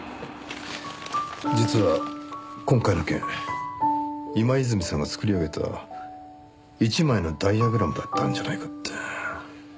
実は今回の件今泉さんが作り上げた一枚のダイヤグラムだったんじゃないかって。